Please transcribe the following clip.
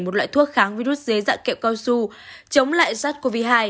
một loại thuốc kháng virus dưới dạng kẹo cao su chống lại sars cov hai